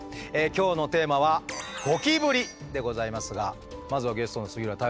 今日のテーマは「ゴキブリ」でございますがまずはゲストの杉浦太陽さんいかがですか？